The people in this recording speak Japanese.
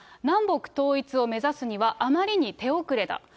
南北統一を目指すには、あまりに手遅れだ。